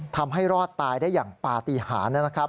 ทำให้รอดตายได้อย่างปฏิหารนะครับ